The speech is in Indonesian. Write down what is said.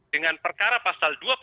dengan perkara pasal dua